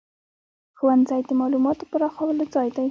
ښوونځی د معلوماتو پراخولو ځای دی.